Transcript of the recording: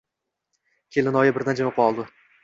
Kelinoyi birdan jimib qoldi.